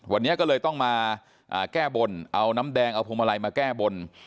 วันนี้ก็เลยต้องมาแก้บนเอาน้ำแดงเอาพวงมาลัยมาแก้บน